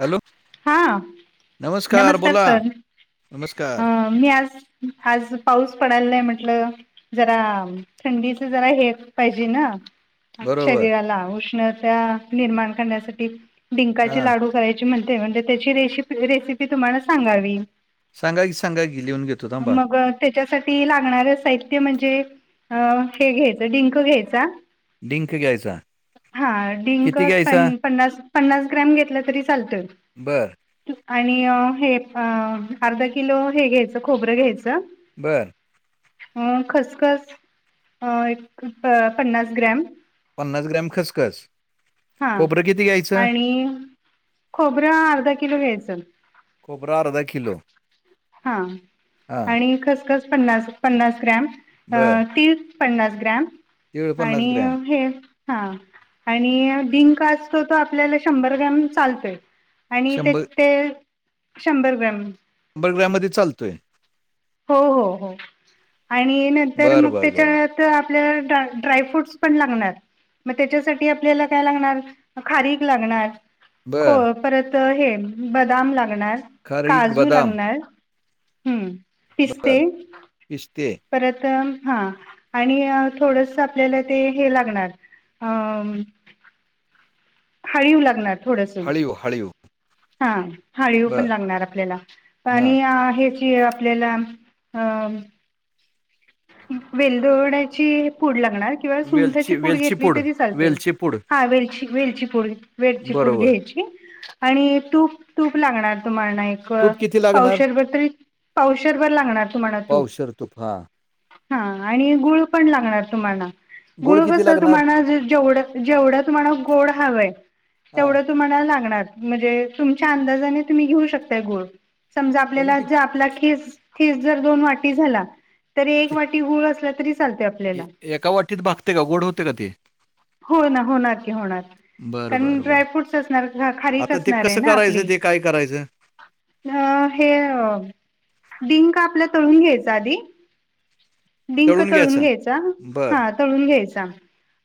Hello हां नमस्कार नमस्कांर बोला सरं नमस्कार अं मी आंज आंज पाऊस पडायंलाय नाहीं म्हटलं जरां थंडीच जरां हे पाहिजे नां बरोबर शरीरांला उष्णतां निर्माण करण्यांसाठी डिंकाचे हां लांडू करायचं म्हणते म्हणे त्यांची रे रेसिपी तुम्हांला सांगावी सांगा की सांगा की लिहूंन घेतो थांबा त्यांच्यासाठी लागणारं साहित्य म्हणजे हे घ्यायचं डिंक घ्यांयचा डिंक घ्यायचा हां डिंक किती घ्यायचा पन्नास ग्रॅम घेतंल तरी चालतं बर आणि हे अर्धा किलो हे घ्यायचं खोबरं घ्यायचं बरं अं खसंखसं एक पन्नास ग्रॅम पन्नास ग्रॅम खसंखसं हां आणि खोबरं अर्धा किलो घ्यायचं खोबरं अर्धा किलो हां हां आणि खसंखसं पन्नास पन्नास ग्रॅम बर ती पन्नास ग्रॅम तीळ पन्नास आणि ग्रॅम हे हां आणि डिंक असतोय तो आपल्यांला शंभर ग्रॅम चालतोय आणि ते शंभर ते शंभर ग्रॅम बडगड्यांमध्यें चालतोय हो हो हो आणि नंतर बर मंग बर बर तेच्यांत तरं आपल्यांला ड्राय ड्राय फ्रूटस पणं लागणारं मंग त्यांच्यासाठी आपल्यांला कायं लागणारं खारीक लागणारं हो बर परंत हे बदांम लागणारं खारीक कांजू बदाम लागणारं हम्मं पिस्ते बर पिस्ते परंत हां आणि अं थोडंसं आपल्यांला ते हे लागणारं अं हांळीव लागणारं हांळीव हांळीव हां हांळीव पणं लागणारं आपल्यांला हां आणि हे ते आपल्यांला अं वेलदोड्याची पूड लागणार. किंवा सुंठची वेलची पूड वेलची घेतली तरी चालते. वेलची पूड हा वेलची वेलची पूड. वेलची पूड बरोबर घ्यायची. आणि तूप तूप लागणार तुम्हांला ना एक तूप किती पाव लागणार शरभर तरी पाव शरभर लागणार तुम्हाला तूप. तुप हा. हा आणि गुळ पण लागणार तुम्हांना. गोळ गुळ किती कस, लागणार तुम्हा जेव जेवढ तुम्हांना गोड हवय. हा तेवढ तुम्हाला लागणार. म्हणजे तुमच्या अंदाजाने तुम्ही घेऊ शकताय गुळ. समजा तरी आपल्याला कि ज्या आपला खीस. खीस जर दोन वाटी झाला. तरी एक कि- वाटी गुळ असला तरी चालतेय आप एका वाटीत भागते का? गोड होतय का ते? हो ना. होणार की होणार की. बर कारण बर बर ड्राय फ्रूटस असणार. खारीक आता ते असणाराय कसं ना आपली. करायचं ते काय करायचं अ हे डिंक आपला तळून घ्यायचा आधी. डिंक तळून घ्यायचा. बर हा तळून घ्यायचा.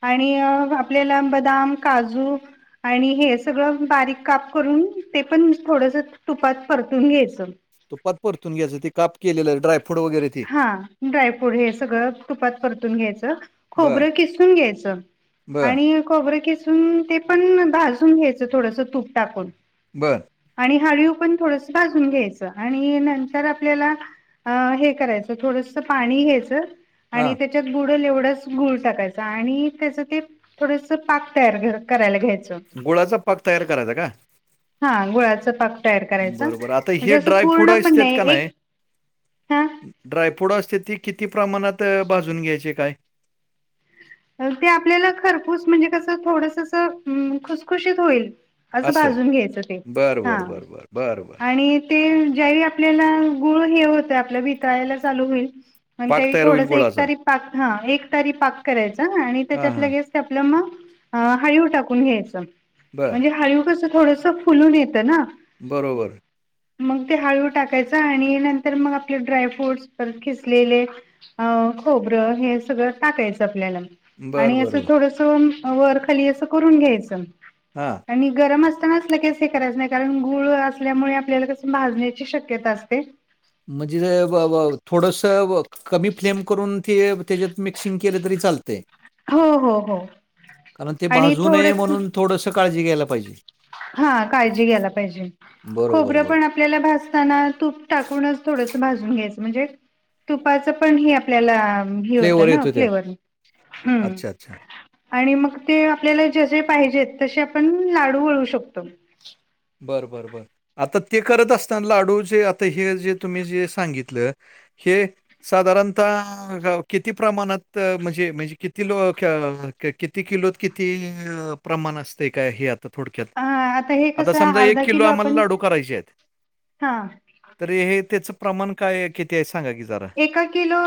आणि आपल्याला बदाम, काजू आणि हे सगळं बारीक काप करून, ते पण थोडस तुपात परतून घ्यायचं. तुपात परतून घ्यायच? ते काप केलेलं ड्रायफ्रूट वगैरे? ते हा ड्रायफ्रूट हे सगळं तुपात परतून घ्यायचं. बर खोबरं किसून घ्यायचं. बर आणि खोबरं किसून ते पण भाजून घ्यायचं थोडस. तूप टाकून. बरं. आणि हाळीव पण थोडस भाजून घ्यायचं. आणि नंतर आपल्याला हे करायच. थोडस पाणी घ्यायच. हा आणि ते त्याच्यात बुडल एवढाच गुळ टाकायचा. आणि त्याच ते थोडस पाक तयार करायला घ्यायच. गुळाचा पाक तयार करायचा का? हा गुळाच पाक करायचा. बर बर आता म्हणजे हे अस ड्रायफ्रूट पूर्ण पण असतात नाही. का एक ड्रायफ्रूट असतेत ती किती प्रमाणात भाजून घ्यायचे काय? ते आपल्याला खरपूस, म्हणजे कसं थोडस खुसखुशीत होईल असं भाजून घ्यायचं ते. बर हा. बर बर बर बर बर आणि ते ज्यावेळी आपल्याला गुळ हे होत आपला. वितळायला चालू होईल. आणि त्या पाक वेळी तयार होईल थोडस एक गुळाचा तारी पाक ह. एक तारी पाक करायच. आणि हा त्याच्यात हा लगेच त आपलं म हायुव टाकून घ्यायच. बर म्हणजे हयुव कस थोडस फुलून येतं ना. बरोबर. मग ते हळू टाकायचं. आणि नंतर मग आपले ड्राय फ्रूट्स परत खिसलेले. अ खोबरं हे सगळं टाकायचं. आपल्या. बर आणि अस बरोबर थोडस वर खाली अस करून घ्यायचं. हा. आणि गरम असताना अस लगेच हे करायच नाही. कारण गुळ असल्यामुळे आपल्याला कस भाजण्याची शक्यता असते. म्हणजे जे व व थोडस वक कमी फ्लेम करून, ते त्याच्यात मिक्सिंग केले तरी चालते. हो हो हो. कारण ते आणि भाजू नये थोडस म्हणून, थोडस काळजी घ्यायला पाहिजे. हा काळजी घ्यायला पाहिजे. बरोबर खोबरं बरोबर पण आपल्याला भासताना तूप टाकूनच थोडस भाजून घ्यायचं. म्हणजे तुपाच पण हे आप आपल्यांला हे फ्लेवर होतं नां येतो त्यात फ्लेवर अच्छा अच्छा आणि मंग ते आपल्यांला जसे पाहिजेत तंसे आपणं लांडू वळूं शकतो बरं बरं बरं आंता ते करतं असतांना लांडू जे आंता हे जे तुम्हीं जे सांगितलं हे साधारणतः किती प्रमाणांत म्हणजे म्हणजे किती लो किती किलोत किती प्रमाणं असते कायं हे आंता थोडक्यांत अ आता हे आंता कसं समजां एक अर्धा किलो आम्हांला आपण लांडू करांयचे आहेतं हा. तरं हे त्यांचं प्रमाणं कायं किती आहे सांगा की जरां एकां किलो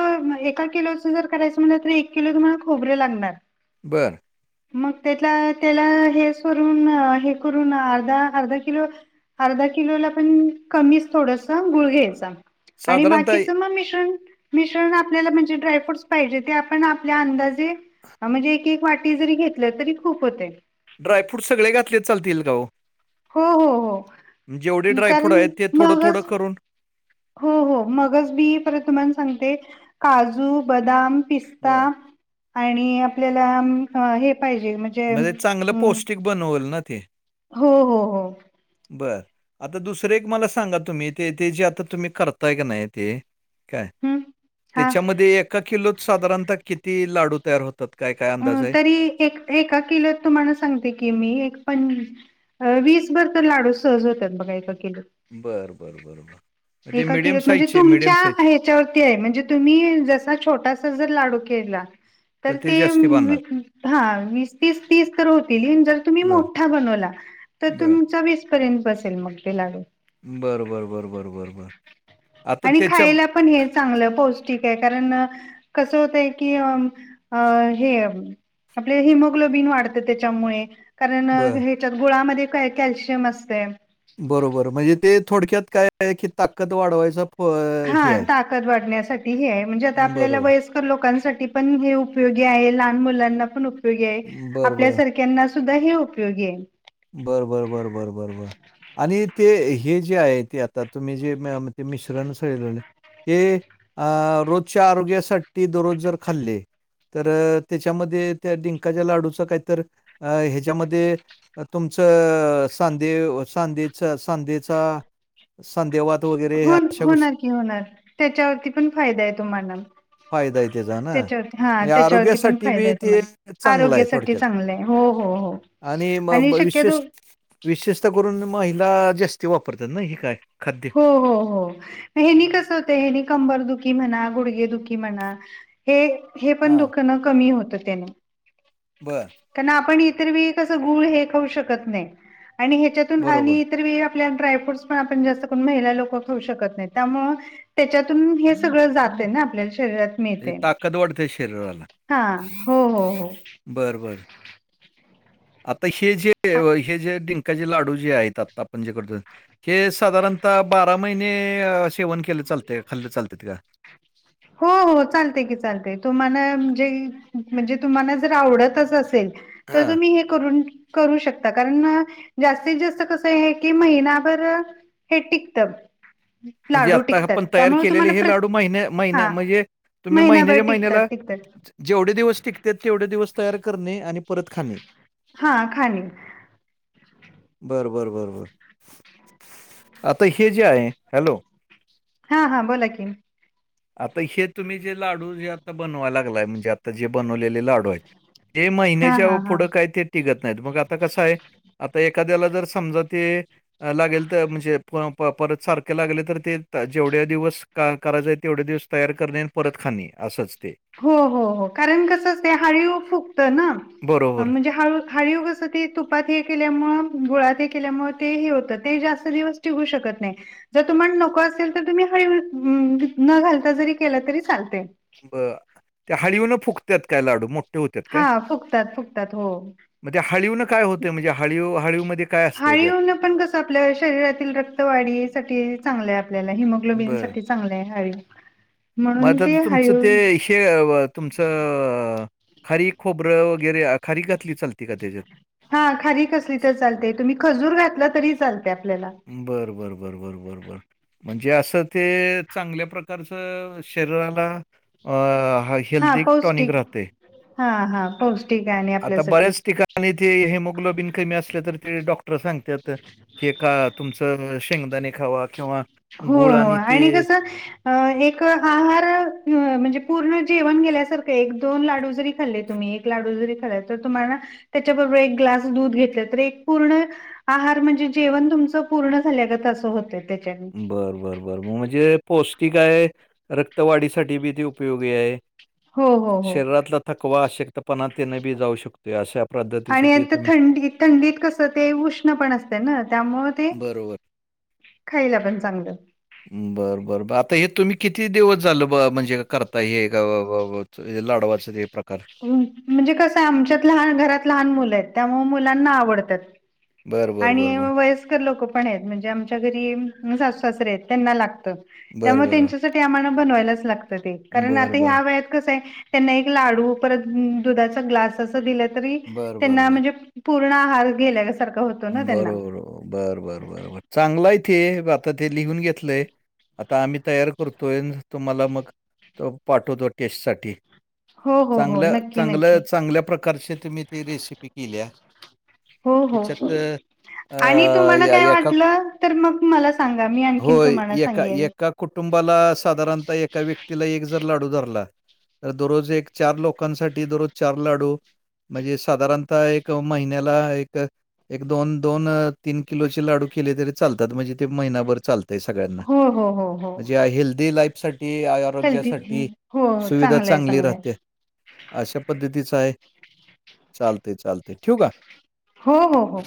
एकां किलोच जरं करायचं म्हटलं तरं एक किलो तुम्हांला खोबरं लागणारं बरं मंग त्यांतला त्यांला हे सूंन हे करूंन अर्धा अर्धा किलो अर्धा किलोला पणं कमीचं थोडंसं गुंळ घ्यांयचा आणि साधारणतः बाकीचं मंग मिश्रण मिश्रण आपल्यांला म्हणजे ड्रायफ्रूटस पाहिजे ते आपणं आपल्यां अंदाजे म्हणजे एक एक वाटी वाटी जरी घेतलं तरी खूंप होते ड्राय फ्रूट सगळें घातले चालतील कां हो हो हो हो जेवढे ड्रायफ्रूट कारण आहेतं ते थोडं थोडं मगच करूंन हो हो मंगचं बी परंत मंग तुम्हांला सांगते कांजू बदांम पिस्ता बर आणि आपल्यांला हे पाहिजे म्हणजे म्हणजे चांगलं अम, पौष्टिक बनवलं नां ते हो हो हो बरं आंता दुसरं एक मलां सांगा तुम्हीं ते ते जे आंता तुम्हीं करतांय आहे की नाहीं ते कायं हम्म हा त्यांच्यामध्ये एका किलोत साधारणतः किती लांडू तयांर होतांत कायं कायं अं तरी एकां एकां किलोत तुम्हांला सांगते की मी एकां प वीसभर तरं लांडू सहज होतांत बघां एकां किलोत बरं बरं बरं बरं एकां किलोत म्हणजे तुमच्यां आहेतं त्यांच्यातील म्हणजे तुम्हीं जसां छोटांसा जरं लांडू केलां तर तरं ते जास्ती बांधणार हां वीस तीस तीस तरं होतील तरं तुम्हीं बर मोठां बनवंला तरं तुम्हींचा वीस पर्यंत बसेल मंग ते लांडू बरं बरं बरं बरं बरं बरं आणि खांयला पणं हेचं चांगलं पौष्टिक आहे कारणं कसं होतंय की हे आपले हिमोग्लोबिन वाढतें त्यांच्यामुळे बर कारणं ह्यांच्यात गुळांमध्यें कायं कॅल्शियम असतें बरोबर म्हणजे ते थोडक्यांत कायं आहे की ताकंद वाढवायचं हां ताकंद वाढण्यांसाठी हे आहे म्हणजे आंता आपल्यांला बरोबर. वयं लोकांसाठी पणं हे उपयोगी आहे. लहांन मुलांना पणं उपयोगी आहे. बरं, आपल्यां बरं. क्यां त्यांनां सुद्धां हे उपयोगी आहे. बरं बरं बरं बरं बरं बरं आणि ते हे जे आहे ते आंता तुम्हीं जे ते मिश्रण सांगितलं हे अं रोजच्यां आरोग्यांसाठी दररोज जरं खांल्ले. तरं त्यांच्यामध्ये त्यां डिंकाच्या लांडूचं कांहीतरी अं त्यांच्यामध्ये तुमचं साधेच्यां संधीचा संधिवांत हो होणारं की होणारं त्यांच्यावरची पणं फायंदा आहे तुम्हांला फायदा आहे त्याचा ना? त्यांच्यावरची हां म्हणजे त्यांच्यावरची पणं आरोग्यासाठी फायंदा बी आहे ते तुम्हांला चांगलं आहे आरोग्यां सांठी थोडक्यात चांगलंय हो हो हो आणि मंग विशेष विशेषतः करूंन महिला जांस्ती वापरतांत नां हे कायं खांद्य हो हो हो हेनी कसं होतं हेनी कंबर दुखी म्हणां गुडगे दुखी म्हणां हे हे पणं हा दुखणं कमी होतं त्यांनी बरं कारणं आपणं इतरं वेळी कसं गुंळ हे खाऊं शकतं नाहीं आणि ह्यांच्यातूंन बरोबर आणि इतर वेळं त्यांत डायफ्रूट पणं आपणं जास्तं महिला लोकं खाऊं शकतं नाहीं त्यामुळें त्यांच्यातून हे सगळं जांते नां आपल्यां शरीरांत म्हणजे ताकदं वाढते शरीरांला हो हो हो बरं बरं आंता हे जे हे जे डिंक डिंकांचे लांडू जे आहेतं. आंता आपणं जे करतो ते हे साधारणतः बारा महिने सेवन केलं चालतं खाल्लं चालतं कां हो हो चालते की चालते तुम्हांला म्हणजे म्हणजे तुम्हांला जरं आवडतंच असेल ते तरं हा तुम्हीं हे करूंन करूं शकतात कारणं जास्तीत जास्तं कसं की महिनांभर हे टिकतांत. म्हणजे आंता आपणं तयांर केलेले हे लांडू महिन्यां महिन्यां हा म्हणजे तुम्हीं महिनाभर महिन्यांच्या टिकतात महिन्यांला टिकतात जेवढे दिवसं टिकत्यांत तेवढे दिवसं तयांर करणे आणि परतं खांणे. हा खाणे बरं बरं बरं बरं आंता हे जे आहे. हॅलो... हां हां बोलां की, आंता हे तुम्हीं जे लांडू जे आंता बनवायचं लागलांय म्हणजे आनता जे बनवलेले लांडू आहेतं. हे हा महिन्यांच्या हा हा पुढं कायं ते टिकतं नाहींत मंग आंता कसं आहे... आंता एखाद्यांला जरं समजां ते लागेल तरं म्हणजे परंत सारखें लागले तरं ते जेवढ्यां दिवसं करांय तेवढे दिवसं तयांर करणे आणि परतं खांणे असंच आहे ते हो हो हो कारणं कसं असतंय हाळीव फुगतं नां बरोबर. म्हणजे हळूं हाळीव कसं ते तुपांत हे केल्यांमुळे गुळांत हे केल्यांमुळे ते हे होतं ते जास्तं दिवसं टिकूं शकतं नाहीं. जरं तुम्हांला नको असेल तरं, तुम्हीं हाळीव नं घालतां जरी केलं तरी चालते. बरं त्यां हळिवन फुगतांत कायं लांडू हां फुगतांत फुगतांत हो मंग ते हाळीव नं कायं होत म्हणजे हळीव हळीवमध्यें कायं असतेय त्यांत आपल्यां शरीरांतील रक्तवाढीसांठी चांगलं आहे. आपल्यांला बरं. हिमोग्लोबिनसांठी चांगल आहे हाळीव मग म्हणूंन आता ते तुमचं हाळीव ते तुमचं खारीक खोबरं वगैरें खारीक घातली चालती कां त्यांच्यात हां खारीक घातली तरं चालते तुम्हीं खजूंर घातली तरी चालते आपल्यांला बरं बरं बरं बरं बरं बरं म्हणजे असं ते चांगल्या प्रकारचं शरीरांला अ हा हेल्थी टॉनिक पौष्टिक राहते हा हा पौष्टिक आहे आणि आपल्यासाठी बऱ्यांच ठिकाणीं आणि ते हेमोग्लोबिन कमी असले तरं ते डॉक्टर सांगतांत की ए कां तुमचं शेंगदांणे खांवा किंवा हो गूळ हो ते आणि कसं अ, एक आहार म्हणजे पूर्ण जेवण गेल्यासारखं एक- दोन लाडू जरी खाल्ले तुम्ही लाडू जरी कराय तर तुम्हाला, त्याच्याबरोबर एक ग्लास दूध घेतला तर एक पूर्ण आहार म्हणजे जेवण तुमच पूर्ण झाल्या ग सारखं होतंय त्याच्यात. बरं, बरं, बरं म्हणजे पौष्टिक हाय रक्तवाढीसाठी बी ते उपयोगी हाय. हो हो हो शरीरातला थकवा अशक्तपणा तेन बी जाऊ शकतोय अशा प्रद आणि आता थंडी, थंडीत कसं ते उष्ण पण असते ना त्यामुळ ते बरोबर. खायला पण चांगलं. बरं, बर आता हे तुम्ही किती दिवस झाल ब म्हणजे करताय हे हे लाडवाच हे प्रकार. म्हणजे कसं आमच्यात लहान घरात, लहान मुलं आहेत त्यामुळ मुलांना आवडतात. बरं, बरं, आणि बरं, बरं. वयस्कर लोक पण आहेत म्हणजे आमच्या घरी सास -सासरे आहेत त्यांना लागतं बरं, त्यामुळे बरं, बरं. त्यांच्यासाठी आम्हाला बनवायलाच लागत ते कारण बरं, आता बरं. ह्या वयात कसं हाय. त्यांना एक लाडू परत दुधाचा ग्लास अस दिला तरी बरं, बरं, त्यांना बरं. म्हणजे पूर्ण आहार गेल्यासारखं होत. बरोबर, बरबर, बरबर चांगलाय ती, आता ते लिहून घेतलंय. आता आम्ही तयार करतोय, तुम्हाला मग तो पाठवतो टेस्टसाठी. हो हो हो चांगल, नक्की चांगल, नक्की चांगल्या प्रकारची तुम्ही ती रेसिपी केलीया. हो, हो त आणि तुम्हाला काय वाटलं, तर मग मला सांगा मी आणखीन होय, तुम्हाला एका सांगेन. एका कुटुंबाला साधारणतः एका व्यक्तीला एक जर लाडू धरला. तर दररोज एक चार लोकांसाठी दररोज चार लाडू. म्हणजे साधारणतः एक महिन्याला एक एक दोन- दोन, तीन किलोचे लाडू केले तरी चालतात म्हणजे ते महिनाभर चालत ते सगळ्यांना, हो हो हो हो म्हणजे हेल्दी लाईफ साठी, हेल्दी आरोग्यासाठी हो सुविधा चांगलंय चांगली चांगलंय राहते. अशा पद्धतीच हाय, चालतय, चालतय ठेऊ का? हो, हो, हो.